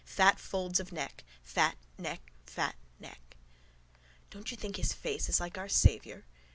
Fat folds of neck, fat, neck, fat, neck. —Don't you think his face is like Our Saviour?